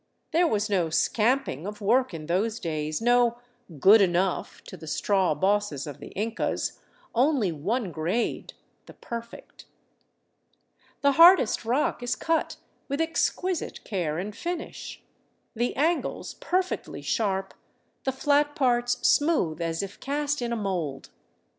There was no " scamping " of work in those days, no " good enough " to the straw bosses of the Incas, only one grade, — the perfect. The hardest rock is cut with exquisite care and finish, the angles perfectly sharp, the flat parts smooth as if cast in a mould.